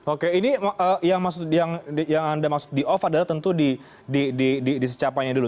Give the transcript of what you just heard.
oke ini yang maksud yang anda maksud di off adalah tentu di di di di secapanya dulu